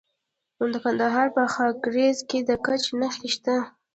د کندهار په خاکریز کې د ګچ نښې شته.